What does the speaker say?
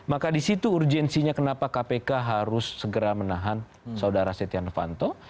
maka disitu urgensinya kenapa kpk harus segera menahan saudara setia novanto